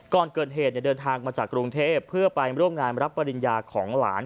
ก่อนเกิดเหตุเดินทางมาจากกรุงเทพเพื่อไปร่วมงานรับปริญญาของหลาน